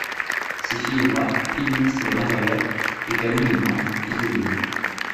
Sephy est noire, fille du ministre de l'Intérieur, et Callum est blanc, fils d'ouvrier.